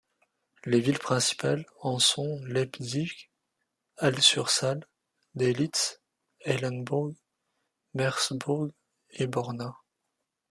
Les villes principales en sont Leipzig, Halle-sur-Saale, Delitzsch, Eilenbourg, Mersebourg et Borna.